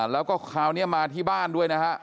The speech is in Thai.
แล้วก็คราวนี้มาที่บ้านด้วยนะฮะ